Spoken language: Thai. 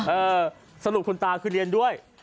เออสรุปคุณตาคือเรียนด้วย